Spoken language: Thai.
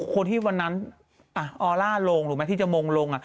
คนที่วันนั้นออร่าลงที่จะมงลงอะ